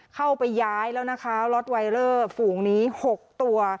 เข้าไปย้ายแล้วนะคะล็อตไวเลอร์ฝูงนี้๖ตัว